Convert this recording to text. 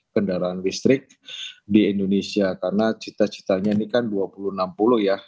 kendaraan listrik di indonesia karena cita citanya ini kan dua puluh enam puluh ya